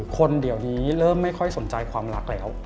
คนเดี๋ยวนี้เริ่มไม่ค่อยสนใจความรักแล้ว